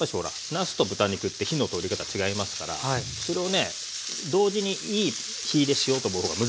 なすと豚肉って火の通り方違いますからそれをね同時にいい火入れしようと思う方が難しいわけですよね。